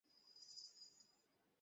দাঁড়ান, কী বললেন?